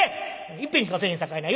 いっぺんしかせえへんさかいなよ